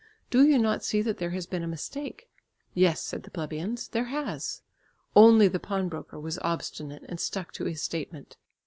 Do you not see that there has been a mistake?" "Yes," said the plebeians, "there has." Only the pawnbroker was obstinate and stuck to his statement.